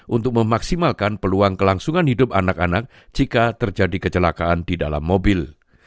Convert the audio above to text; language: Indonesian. untuk memaksimalkan peluang kelangsungan hidup anak anak jika terjadi kecelakaan di dalam mobil